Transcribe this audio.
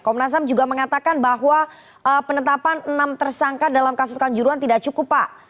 komnas ham juga mengatakan bahwa penetapan enam tersangka dalam kasus kanjuruan tidak cukup pak